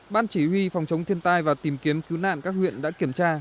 ban chỉ huy phòng chống thiên tai và tìm kiếm cứu nạn các huyện đã kiểm tra